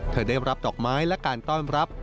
ได้รับดอกไม้และการต้อนรับ